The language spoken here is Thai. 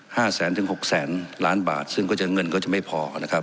แสนถึงหกแสนล้านบาทซึ่งก็จะเงินก็จะไม่พอนะครับ